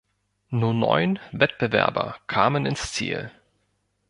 Nur neun Wettbewerber kamen ins Ziel.